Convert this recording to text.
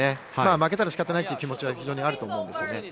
負けたら仕方ないという気持ちはあると思うんですよね。